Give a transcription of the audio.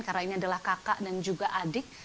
karena ini adalah kakak dan juga adik